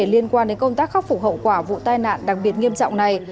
liên quan đến công tác khắc phục hậu quả vụ tai nạn đặc biệt nghiêm trọng này